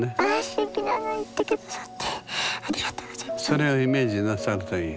それをイメージなさるといい。